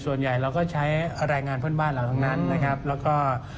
ส่วนใหญ่เราก็ใช้แรงงานเพื่อนบ้านเราทั้งนั้นนะครับแล้วก็